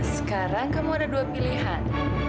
sekarang kamu ada dua pilihan